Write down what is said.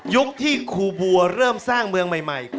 ที่ครูบัวเริ่มสร้างเมืองใหม่